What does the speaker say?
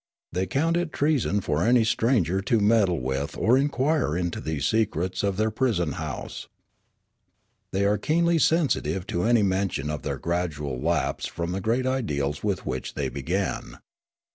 They count it treason for i6o Riallaro any stranger to meddle with or inquire into these secrets of their prison house. " They are keenly sensitive to an}^ mention of their gradual lapse from the great ideals with which they began.